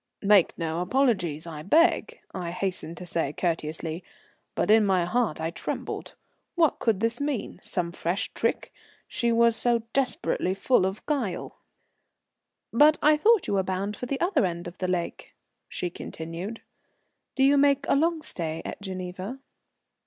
"Make no apologies, I beg," I hastened to say courteously. But in my heart I trembled. What could this mean? Some fresh trick? She was so desperately full of guile! "But I thought you were bound for the other end of the lake," she continued. "Do you make a long stay at Geneva?"